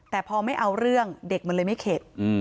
แต่พอไม่เอาเรื่องเด็กมันเลยไม่เข็ด